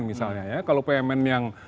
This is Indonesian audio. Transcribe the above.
misalnya ya kalau pmn yang